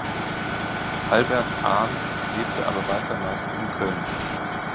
Albert Ahn lebte aber weiter meist in Köln.